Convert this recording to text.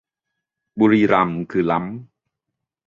บุรีรัมย์คือล้ำ